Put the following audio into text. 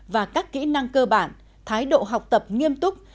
và các kỹ năng cơ bản thái độ học tập nghiêm túc